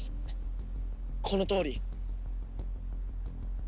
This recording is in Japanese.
このとおり。